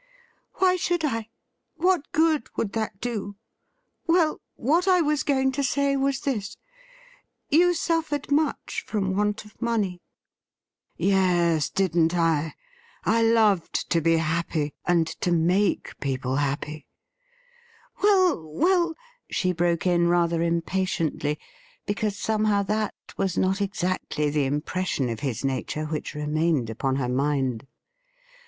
' Why should I .= What good would that do ? Well, what I was going to say was this : you suffered much from want of money '' Yes, didn't I? I loved to be happy, and to make people happy ''' Well, well,' she broke in rather impatiently, because somehow that was not exactly the impression of his nature which remained upon her mind.